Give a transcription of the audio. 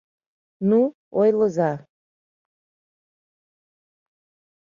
— Ну, ойлыза.